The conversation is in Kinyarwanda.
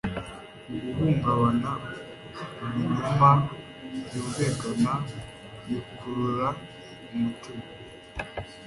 uku guhungabana, kubinyoma byunvikana bikurura umutima